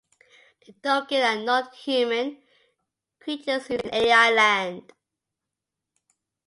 The Dougen are non-human creatures which live in Ai-Land.